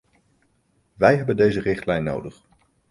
Wij hebben deze richtlijn nodig.